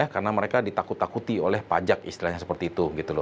karena mereka ditakut takuti oleh pajak istilahnya seperti itu